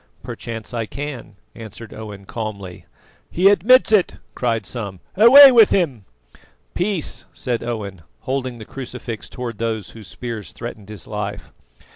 "Perchance I can," answered Owen calmly. "He admits it!" cried some. "Away with him!" "Peace!" said Owen, holding the crucifix towards those whose spears threatened his life.